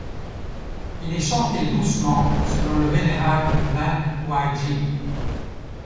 Il est chanté doucement selon le vénérable Nan Huaijin.